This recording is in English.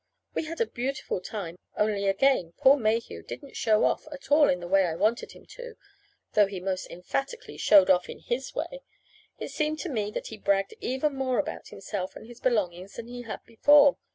We had a beautiful time, only again Paul Mayhew didn't "show off" at all in the way I wanted him to though he most emphatically "showed off" in his way! It seemed to me that he bragged even more about himself and his belongings than he had before.